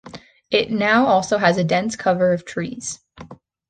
It now also has a dense cover of trees.